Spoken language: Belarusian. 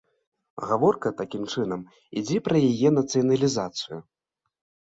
Гаворка, такім чынам, ідзе пра яе нацыяналізацыю.